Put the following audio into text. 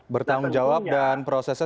bertanggung jawab dan prosesnya